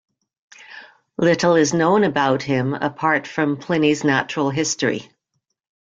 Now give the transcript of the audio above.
Little is known about him apart from "Pliny's Natural History".